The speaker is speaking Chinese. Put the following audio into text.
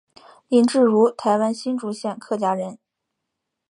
林志儒台湾新竹县客家人。